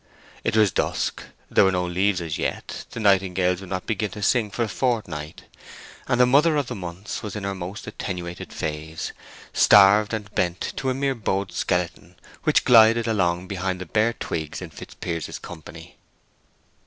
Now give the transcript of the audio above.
It was dusk; there were no leaves as yet; the nightingales would not begin to sing for a fortnight; and "the Mother of the Months" was in her most attenuated phase—starved and bent to a mere bowed skeleton, which glided along behind the bare twigs in Fitzpiers's company.